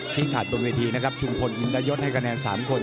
ที่ถาดตรงนี้ทีนะครับชุมพลอินตะยศให้คะแนน๓คน